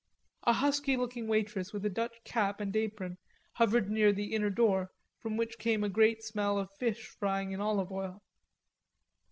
A husky looking waitress with a Dutch cap and apron hovered near the inner door from which came a great smell of fish frying in olive oil.